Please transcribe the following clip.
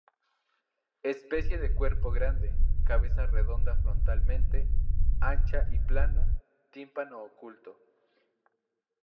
Especie de cuerpo grande, cabeza redondeada frontalmente, ancha y aplanada, tímpano oculto.